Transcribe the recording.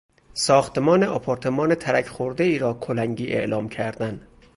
ساختمان آپارتمان ترک خوردهای را کلنگی اعلام کردن